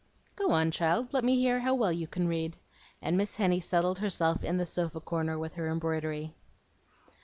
"Go on, child; let me hear how well you can read;" and Miss Henny settled herself in the sofa corner with her embroidery.